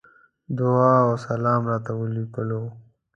دعا وسلام راته وليکلو.